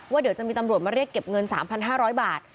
เดี๋ยวจะมีตำรวจมาเรียกเก็บเงิน๓๕๐๐บาท